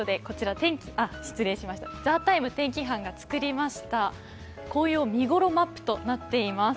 天気班が作りました紅葉見頃マップとなっています。